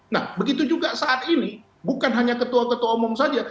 nah begitu juga saat ini bukan hanya ketua ketua umum saja